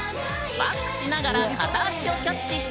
バックしながら片足をキャッチして１回転。